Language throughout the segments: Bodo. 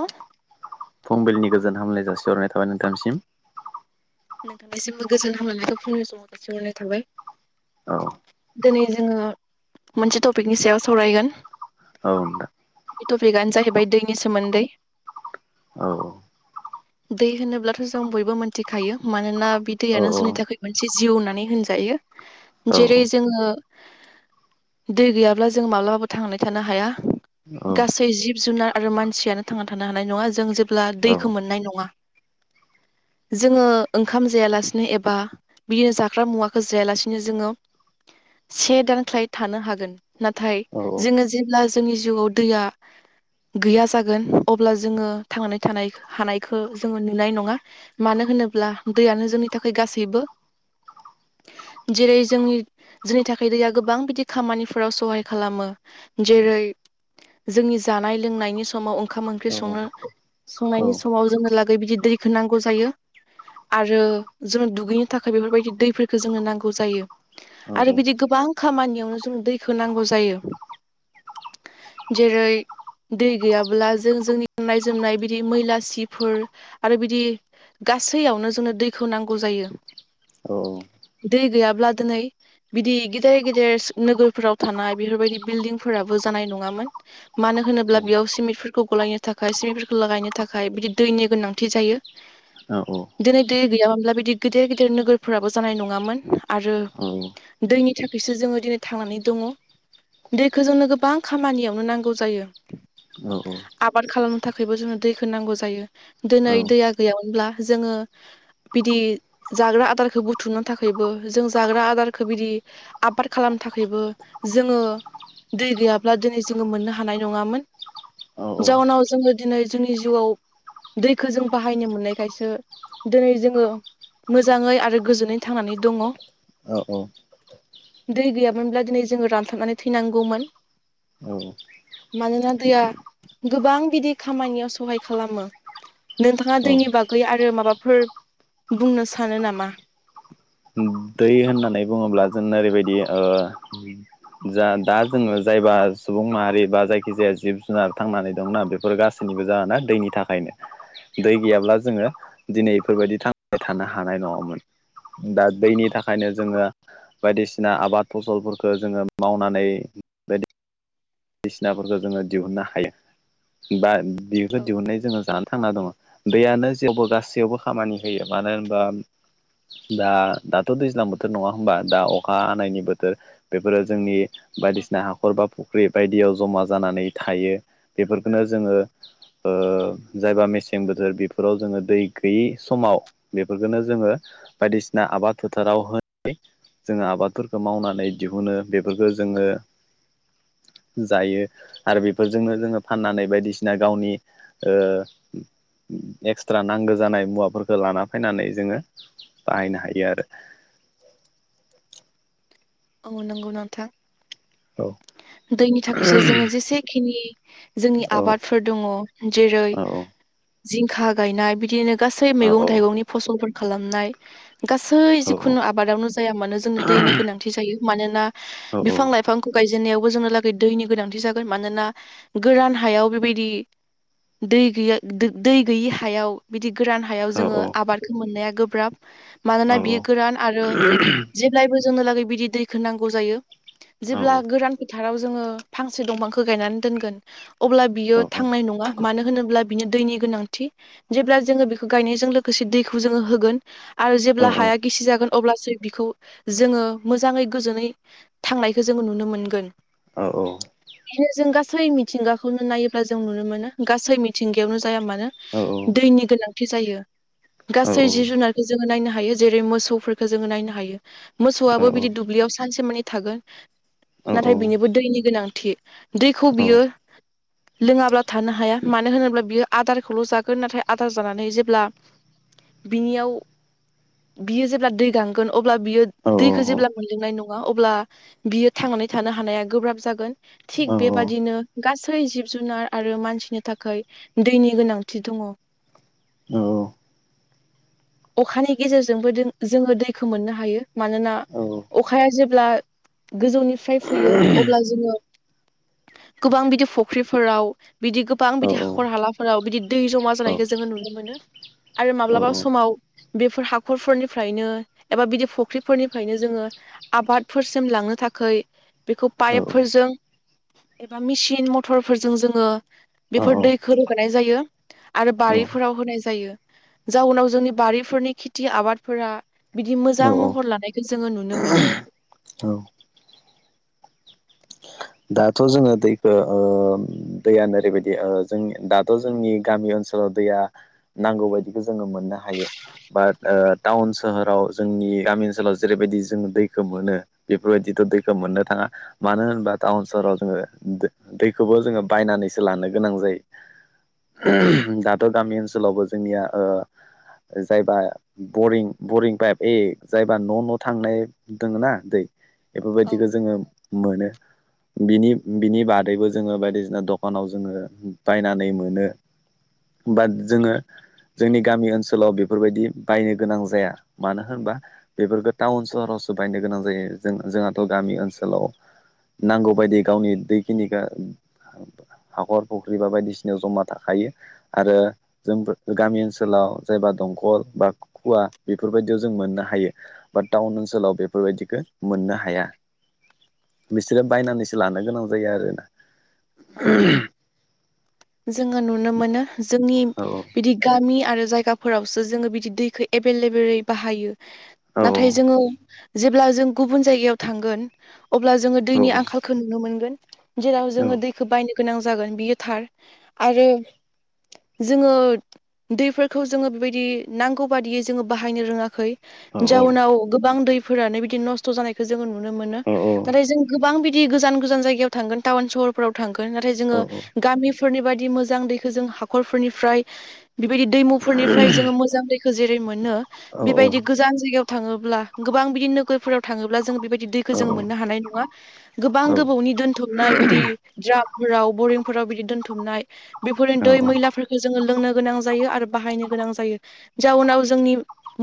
आ [unintelligible] फुंबिलनि गोजोन हामलाय जासिहरनाय थाबाय नोंथांसिम। नोंथांनिसिमबो गोजोन हामलनायखौ फुंनि समाव जासिहरनाय थाबाय। औ। दोनै जोङो मोनसे टपिकनि सायाव सावरायगोन। औ नोंथां। बे टपिकआनो जाहैबाय दैनि सोमोन्दै। औ। दै होनोब्लाथ' जों बयबो मोनथिखायो मानोना बि औ दैयानो जोंनि थाखै मोनसे जिउ होननानै होनजायो। जेरै जोङो दै गैयाब्ला जों माब्लाबाबो थांनानै थानो हाया। औ औ गासै जिब जुनार आरो मानसियानो थांना थानो हानाय नङा जोङो जेब्ला दैखौ मोननाय नङा। जोङो ओंखाम जायालासिनो एबा बिनो जाग्रा मुवाखौ जायालासिनो जोङो से दानख्लाय थानो हागोन। नाथाय जोङो जेब्ला जोंनि जिवाव दैया गैया जागोन अब्ला जोङो थांनानै थानाय हानायखो जोङो नुनाय नङा। मानो होनोब्ला दैयानो जोंनि थाखाय गासैबो जेरै जोंनि जोंनि थाखै दैया गोबां बिदि खामानिफोराव सहाय खालामो। जेरै जोंनि जानाय लोंनायनि समाव ओंखाम ओंख्रि संङो। संनायनि समाव जों लागै बिदि दैखौ नांगौ जायो। आरो जों दुगैनो थाखै बेफोरबायदि दैफोरखो जोंनो नांगौ जायो। औ आरो बिदि गोबां खामानियावनो जों दैखो नांगौ जायो। जेरै दै गैयाब्ला जों जोंनि ननाय जोमनाय बिदि मैलासिफोर आरो बिदि गासैयावनो जोंनो दैखौ नांगौ जायो दै गैयाब्ला दोनै बिदि गेदेर गेदेर नोगोरफोराव थानाय बेफोरबायदि बिलडिंफोराबो जानाय नङामोन। मानो होनोब्ला बियाव सिमिटफोरखौ गलायनो थाखाय सिमिटफोरखौ लागायनो थाखाय बिदि दैनि गोनांथि जायो। औ औ। दोनै दै गैयामोनब्ला बिदि गिदिर गिदिर नोगोरफोराबो जानाय नङामोन आरो दैनि थाखैसो जोङो दिनै थांनानै दङ। दैखो जोंनो गोबां खामानियावनो नांगौ जायो। औ औ। आबाद खालामनो थाखायबो जोंनो दैखो नांगौ जायो। दोनै दैया गैयामोनब्ला जोङो बिदि जाग्रा आदारखो बुथुमनो थाखैबो जों जाग्रा आदारखो बिदि आबाद खालामन थाखैबो जोङो दै गैयाब्ला दिनै जोङो मोननो हानाय नङामोन। जाउनाव जोङो दिनै जोंनि जिउआव दैखौ जों बाहायनो मोननायखायसो दिनै जोङो मोजाङै आरो गोजोनै थांनानै दङ। औ औ। दै गैयामोनब्ला दिनै जोङो रानथाबनानै थैनांगौमोन। औ। मानोना दैया गोबां बिदि खामानियाव सहाय खालामो। नोंथाङा औ दैनि बागै आरो माबाफोर बुंनो सानो नामा? दै होननानै बुङोब्ला जों ओरैबायदि ओ जा दा जोङो जायबा सुबुं माहारि बा जायखिजाया जिब जुनार थांनानै दंना बेफोर गासै बो जाहाना दैनि थाखायनो। दै गैयाब्ला जोङो दिनै बेफोरबायदि थांबाय थानो हानाय नङामोन। दा दैनि थाखायनो जोङो बायदिसिना आबाद फसलफोरखौ जोङो मावनानै बायदिसिनाफोरखौ जोङो दिहुननो हायो बा बेखौ औ दिहुननाय जोङो जानो थांना दङ दैयानो जेवबो गासैयावबो खामानि होयो मानो होनबा दा दाथ' दैज्लां बोथोर नङा होमबा दा अखा हानायनि बोथोर बेफोरो जोंनि बायदिसिना हाखर बा बायदियाव जमा जानानै थायो बेफोरखौनो जोङो ओ जायबा मेसें बोथोर बेफोराव जोङो दै गैयि समाव बेफोरखौनो जोङो बायदिसिना आबाद फोथाराव होनाय जोङो आबादफोरखौ मावनानै दिहुनो बेफोरखौ जोङो जायो आरो बेफोरजोंनो जोङो फाननानै बायदिसिना गावनि ओ एक्सट्रा नांगौ जानाय मुवाफोरखौ लाना फैनानै जोङो बाहायनो हायो आरो। आऔ नंगौ नोंथा औ दैनि थाखायसो जोङो जेसेखिनि जोंनि आबाद फोर दङ जेरै औ जिंखा गायनाय बिदिनो गासै औ मैगं थाइगंनि फसलफोर खालामनाय गासै औ जिखुनु आबादावनो जाया मानो जोंनो दैनि गोनां थि जायो मानोना औ बिफां लाइफांखौ गायजेननायाव जोंनो लागै दैनि गोनांथि जागोन मानोना गोरान हायाव बेबायदि दै गैया दै गैयि हायाव बिदि गोरान हायाव औ जोङो आबादखौ मोननाया गोब्राब औ मानोना बियो गोरान आरो जेब्लायबो जोंनो लागै बिदि दैखौ नांगौ जायो औ जेब्ला औ गोरान फोथाराव जोङो फांसे दंफांखौ गायनानै दोनगोन अब्ला बियो औ थांनाय औ नङा मानो होनोब्ला बिनो दैनि गोनांथि जेब्ला जोङो बेखौ गायनायजों लोगोसे दैखौ जोङो होगोन आरो औ जेब्ला हाया गिसिजागोन अब्लासो बिखौ जोङो मोजाङै गोजोनै थांनायखौ जोङो नुनो मोनगोन। औ औ बेनो जों गासै मिथिंगाखौनो नायोब्ला जों नुनो मोनो गासै मि थिंगायावनो जाया मानो दैनि गोनांथि जायो गासै जिब जुनार जोङो नायनो हायो जेरै मोसौफोरखौ जोङो नायनो हायो मोसौआबो बिदि दुब्लियाव सानसे मनै थागोन नाथाय बिनिबो दैनि गोनांथि दैखौ बियो औ लोङाब्ला थानो हाया मानो होनोब्ला बियो आदारखौल' जागोन नाथाय आदार जानानै जेब्ला बिनियाव बियो जेब्ला दै गांगोन अब्ला बियो दैखौ जेब्ला मोनलोंनाय नङा अब्ला बियो थांनानै थानो हानाया गोब्राब जागोन। थिग बेबादिनो गासै जिब जुनार आरो मानसिनि थाखाय दैनि गोनांथि दङ। औ औ अखानि गेजेरजोंबो जोङो दैखौ मोननो हायो मानोना अखाया जेब्ला गोजौनिफ्राय फैयो अब्ला जोङो गोबां बिदि फुख्रिफोराव बिदि गोबां बिदि हाखर हालाफोराव बिदि दै जमा जानायखौ जोङो नुनो मोनो। आरो माब्लाबा समाव बेफोर हाखरफोरनिफ्रायनो एबा बिदि फुख्रिफोरनिफ्रायनो जोङो आबादफोरसिम लांनो थाखाय बेखौ पाइपफोरजों एबा मेसिन मथरफोरजों जोङो बेफोर दैखौ रोगानाय जायो आरो औ बारिफोराव होनाय जायो जाउनाव जोंनि बारिफोरनि खिथि आबादफोरा बिदि मोजां औ औ महर लानायखौ जोङो नुनो मोनो। औ दाथ' जोङो दैखो ओ दैया नोरैबायदि ओ जों दाथ' जोंनि गामि ओनसोल सोलाव दैया नांगौ बायदिखौ जोङो मोननो हायो। बा ओ टाउन सोहोराव जोंनि गामि ओनसोलाव जेरैबायदि जों दैखो मोनो बेफोरबायदिथ' दैखो मोननो थाङा मानो होनबा टाउन सहराव जोंङो दैखौबो जोंङो बायनानैसो लानो गोनां जायो। दाथ' गामि ओनसोलावबो जोंनिया जायबा बरिं बरिं पाइप ए जायबा न' न' थांनाय दोङो ना दै औ बेफोरबायदिखौ जोङो मोनो। बिनि बिनि बादैबो जोङो बायदिसिना दकानाव जोङो बायनानै मोनो। बाद जोङो जोंनि गामि ओनसोलाव बेफोरबायदि बायनो गोनां जाया मानो होनबा बेफोरखो टाउन सोहरावसो बायनो गोनां जायो जों जोंहाथ' गामि ओनसोलाव नांगौ बायदि गावनि दैखिनिखो हाखर फुख्रि बा बायदिसिनााव जमा थाखायो आरो जों गामि ओनसोलाव जायबा दंकल बा खुवा बेफोरबायदियाव जों मोननो हायो। बाद टाउन ओनसोलाव बेफोरबायदिखौ मोननो हाया। बिसोरो बायनानैसो लानो गोनां जायो आरोना। जोंङो नुनो मोनो जोंनि औ बिदि गामि आरो जायगाफोरावसो जोंङो बिदि दैखो एबेलेबेलै बाहायो। औ नाथाय जोंङो जेब्ला जों गुबुन जायगायाव थांगोन अब्ला जोंङो औ औ दैनि आंखालखो नुनो मोनगोन जेराव औ जोंङो दैखो बायनो गोनां जागोन बियो थार। आरो जोंङो दैफोरखौ जोंङो बेबायदि नांगौ बादियै जोंङो बाहायनो रोङाखै। औ जाउनाव गोबां दैफोरानो बिदि नस्थ' जानायखौ जोंङो नुनो मोनो। नाथाय जों गोबां बिदि गोजान गोजान जायगायाव थांगोन टाउन सहरफोराव थांगोन नाथाय जोंङो गामि फोरनि बायदि मोजां दैखो जों हाखरफोरनिफ्राय बेबायदि दैमुफोरनिफ्राय जोंङो मोजां दै खो जेरै मोनो बेबायदि गोजान जायगायाव थाङोब्ला गोबां बिदि नोगोरफोराव थाङोब्ला जों बेबायदि दै खो जों मोननो औ हानाय नङा गोबां गोबावनि दोन थुमनाय बिदि द्रामफोराव बरिंफोराव बिदि दोन्थुमनाय बेफोरनो दै मैलाफोरखौ जोंङो लोंनो गोनां जायो आरो बाहायनो गोनां जायो जाउनाव जोंनि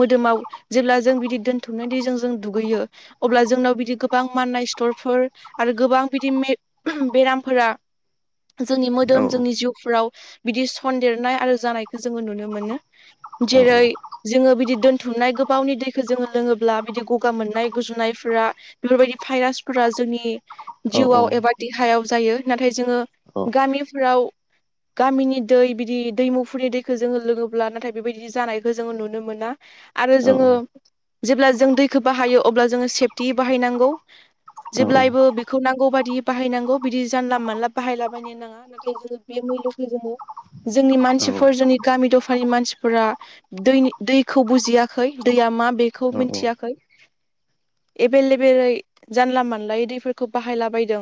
मोदोमाव जेब्ला जों बिदि दोनथुमनाय दैजों जों दुगैयो अब्ला जोंनाव बिदि गोबां माननाय स्टरफोर आरो गोबां बिदि बेरामफोरा जोंनि मो दोम जोंनि जिउफ्राव बिदि सनन्देरनाय आरो जानायखौ जोंङो नुनो मोनो। जेरै जोंङो बिदि दोनथुमनाय गोबावनि दैखौ जोंङो लोङोब्ला बिदि गगा मोननाय गुजुनायफोरा बेफोरबायदि भाइरासफोरा जोंनि जिउआव एबा देहायाव जायो नाथाय जोंङो गामिफोराव गामिनि दै बिदि दैमुफुरनि दैखौ जोंङो लोङोब्ला नाथाय बेबायदि जानायखौ जोंङो नुनो मोना। आरो जोंङो जेब्ला जों दैखो बाहायो अब्ला जोंङो सेफटि बाहायनांगौ। जेब्लायबो बेखौ नांगौ बायदि बाहायनांगौ बिदि जानला मानला बाहायला बायनो नाङा। जोंङो बे मुल्यखौ जोंङो जोंनि मानसिफोर जोंनि गामि दफानि मानसिफोरा दैनि दैखौ बुजियाखै दैया मा बेखौ मिथियाखै एभेलेबेलै जानला मोनानलायै दैफोरखौ बाहायला बायदों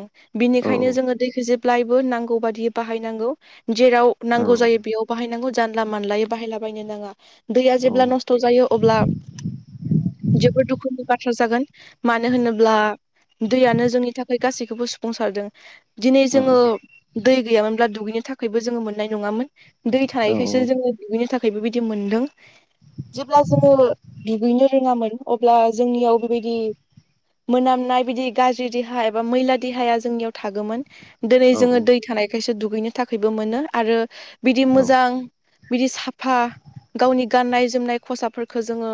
औ बिनिखायनो जोंङो दैखो जेब्लायबो नांगौ बादि बाहायनांगौ जेराव नांगौ जायो बेयाव बाहायनांगौ जानला मानलायै बाहायला बायनो नाङा। दैया जेब्ला नस्थ' जायो अब्ला जोबोद दुखुनि बाथ्रा जागोन मानो होनोब्ला दैयानो जोंनि थाखाय गासैखौबो सुफुंसारदों दिनै जोंङो दै गैयामोनब्ला दुगैनो थाखायबो जोंङो मोननाय नङामोन। दै थानायखायसो जोंङो दुगैनो थाखाय बेबायदि मोनदों। जेब्ला जोङो दुगैनो रोङामोन अब्ला जोंनियाव बेबायदि मोनामनाय बिदि गाज्रि देहा एबा मैला देहाया जोंनियाव थागौमोन दिनै जोङो दै थानायखायसो दुगैनो थाखायबो मोनो आरो बिदि मोजां बिदि साफा गावनि गाननाय जोमनाय खसाफोरखौ जोङो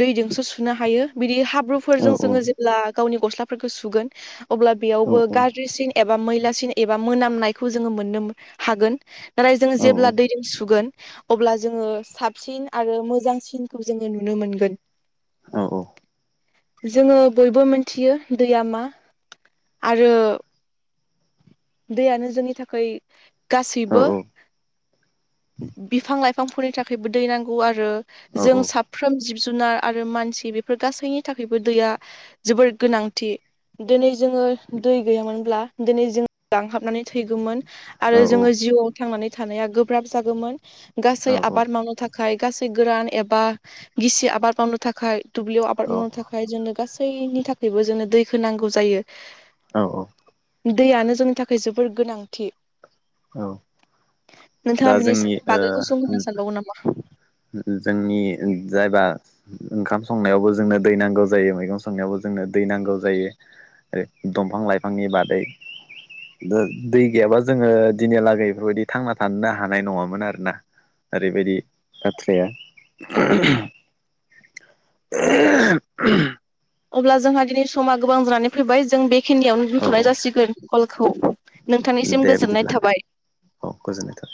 दैजोंसो सुनो हायो बिदि हाब्रुफोरजों जोंङो जेब्ला गावनि गस्लाफोरखौ सुगोन अब्ला बेयावबो गाज्रिसिन एबा मैलासिन एबा मोनामनाय खौ जोंङो मोननो हागोन नाथाय जोंङो जेब्ला दैजों सुगोन अब्ला जोंङो साबसिन आरो मोजांसिनखौ जोंङो नुनो मोनगोन। जोङो बयबो मिथियो दैया मा आरो दैयानो जोंनि थाखाय गासैबो बिफां लाइफांफोरनि थाखायबो दै नांगौ आरो जों सा फ्रोम जिब जुनार आरो मानसि बेफोर गासैनि थाखायबो दैया जोबोर गोनांथि दिनै जोङो दै गैयामोनब्ला दिनै जों लांहाबनानै थैगौमोन आरो जोङो जिउआव थांनानै थानाया गोब्राब जागौमोन गासै आबाद मावनो थाखाय गासै गोरान एबा गिसि आबाद बामनो थाखाय दुब्लियाव आबाद मावनो थाखाय जोंनो गासैनि थाखायबो जोंनो दैखौ नांगौ जायो औ औ दैयानो जोंनि थाखाय जोबोर गोनांथि नोंथाङा दा बिनि जोंनि ओ आगैखौ गुसुं होनो सानबावगौ नामा जोंनि जायबा ओंखाम संनायावबो जोंनो दै नांगौ जायो मैगं संनायावबो जोंनो दै नांगौ जायो दंफां लाइफांनि बादै दै गैयाबा जोङो दिनैहा लागै बेफोरबायदि थांना थानो हानाय नङामोन आरोना ओरैबायदि बाथ्राया अब्ला जोंहा दिनै समा गोबां जानानै फैबाय जों बेखिनियावनो औ दोनथ'नाय औ जासिगोन कलखौ नोंथांनिसिम दे गोजोननाय बिदिब्ला थाबाय। औ गोजोननाय थाब